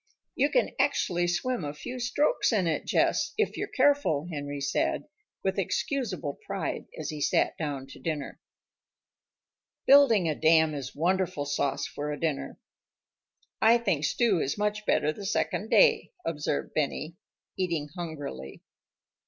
"You can actually swim a few strokes in it, Jess, if you're careful," Henry said, with excusable pride, as he sat down to dinner. Building a dam is wonderful sauce for a dinner. "I think stew is much better the second day," observed Benny, eating hungrily.